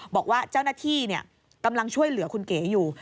บอกว่าเจ้าหน้าที่กำลังช่วยเหลือคุณเก๋อยู่